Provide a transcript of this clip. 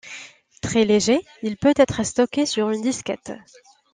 Très léger, il peut être stocké sur une disquette.